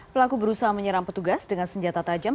pelaku berusaha menyerang petugas dengan senjata tajam